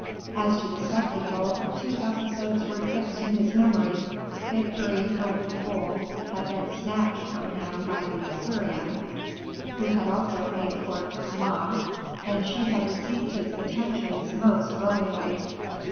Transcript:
As to the spectacle, two episodes were fixed in his memory: victory over the bull had been snatched from him by the Assyrian, who had also paid court to Kama, and she had received his attentions most willingly.